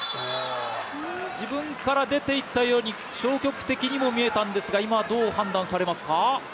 自分から出て行ったように、消極的にも見えたんですが今、どう判断されますか。